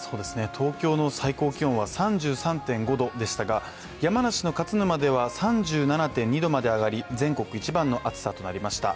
東京の最高気温は３３．５度でしたが、山梨の勝沼では３７．２度まで上がり全国一番の暑さとなりました。